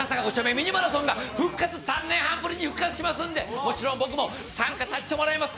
ミニマラソンが３年半ぶりに復活しますのでもちろん僕も参加させてもらいます。